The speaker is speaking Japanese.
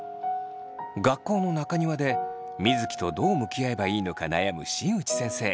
学校の中庭で水城とどう向き合えばいいのか悩む新内先生。